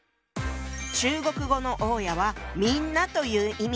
中国語の大家は「みんな」という意味。